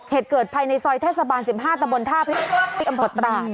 เหตุเกิดภายในซอยท่ะสะบาน๑๕ตะบวนธาภิกฤติอินิปราสตราช